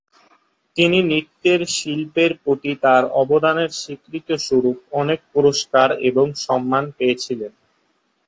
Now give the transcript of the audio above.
তিনি নৃত্যের শিল্পের প্রতি তাঁর অবদানের স্বীকৃতি স্বরূপ অনেক পুরস্কার এবং সম্মান পেয়েছিলেন।